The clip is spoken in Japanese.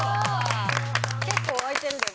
結構空いてるでも。